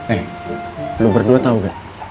eh lu berdua tau gak